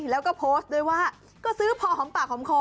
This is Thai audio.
แล้วก็โพสต์ด้วยว่าก็ซื้อพอหอมปากหอมคอ